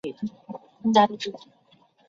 正因为是他我才愿意